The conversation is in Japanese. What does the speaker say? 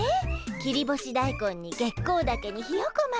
切り干し大根に月光ダケにひよこ豆。